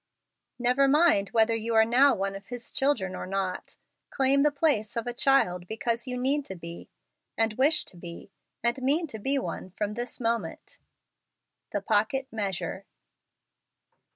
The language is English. Hever mind whether you are now one of His children or not; claim the place of a child because you need to be, and wish to be, and mean to be one from this moment. The Pocket Measure.